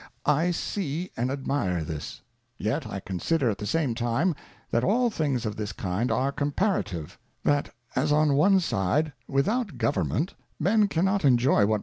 I see and admire this ; yet I consider at the same time, that all things of this kind are comparative : That as on one_sidej without Government Men cannot finjoy what.